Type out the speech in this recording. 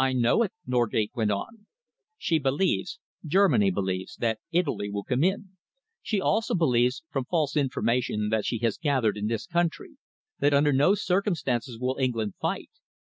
"I know it," Norgate went on. "She believes Germany believes that Italy will come in. She also believes, from false information that she has gathered in this country, that under no circumstances will England fight.